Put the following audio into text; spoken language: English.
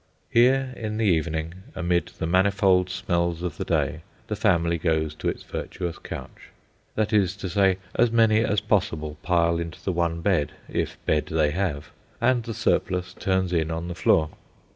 Here, in the evening, amid the manifold smells of the day, the family goes to its virtuous couch. That is to say, as many as possible pile into the one bed (if bed they have), and the surplus turns in on the floor.